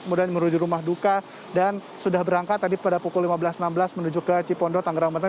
kemudian menuju rumah duka dan sudah berangkat tadi pada pukul lima belas enam belas menuju ke cipondo tangerang banten